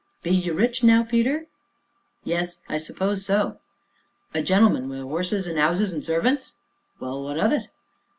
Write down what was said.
"Be you rich now, Peter?" "Yes, I suppose so." "A gentleman wi' 'orses an' 'ouses an' servants?" "Well what of it?"